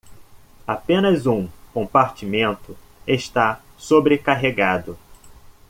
Apenas um compartimento está sobrecarregado